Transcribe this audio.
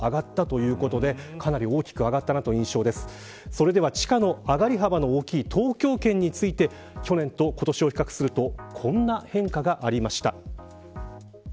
それでは地価の上がり幅の大きい東京圏について去年と今年を比較するとこんな変化がありました。